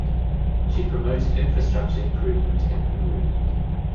She promoted infrastructure improvement in Peru.